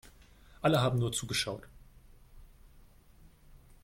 Alle haben nur zugeschaut.